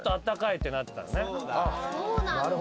そうなんだ。